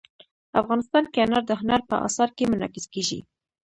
افغانستان کې انار د هنر په اثار کې منعکس کېږي.